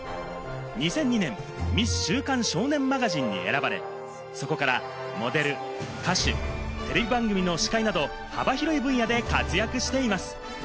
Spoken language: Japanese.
２００２年、ミス週刊少年マガジンに選ばれ、そこからモデル、歌手、テレビ番組の司会など、幅広い分野で活躍しています。